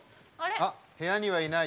あっ部屋にはいない。